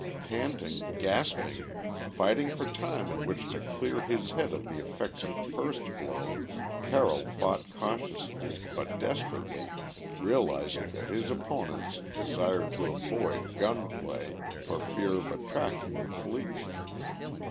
Panting, gasping, fighting for time in which to clear his head of the effects of the first blow, Carroll fought cautiously, but desperately, realizing that his opponents desired to avoid gun play for fear of attracting the police.